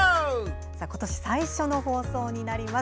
今年、最初の放送になります。